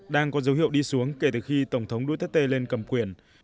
đang có dấu hiệu đi xuống kể từ khi tổng thống duterte lên cầm quyền